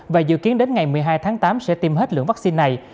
và dự kiến đến ngày một mươi hai tháng tám sẽ tiêm hết lượng vaccine này